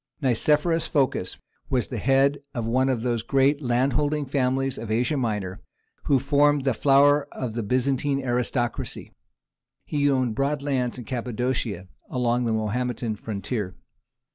Nicephorus Phocas was the head of one of those great landholding families of Asia Minor who formed the flower of the Byzantine aristocracy; he owned broad lands in Cappadocia, along the Mahometan frontier.